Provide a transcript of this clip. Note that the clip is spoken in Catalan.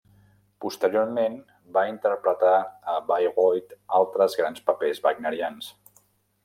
Posteriorment va interpretar a Bayreuth altres grans papers wagnerians.